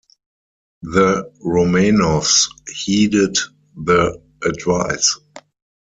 The Romanovs heeded the advice.